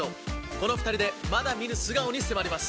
この２人でまだ見ぬ素顔に迫ります。